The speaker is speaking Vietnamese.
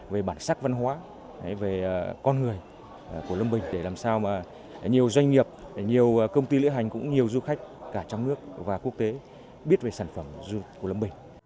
về bản sắc văn hóa về con người của lâm bình để làm sao mà nhiều doanh nghiệp nhiều công ty lữ hành cũng nhiều du khách cả trong nước và quốc tế biết về sản phẩm du lịch của lâm bình